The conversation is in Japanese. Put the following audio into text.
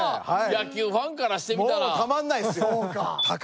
野球ファンからしてみたらもうたまんないっすよ